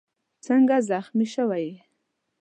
څنګه زخمي شوی یې؟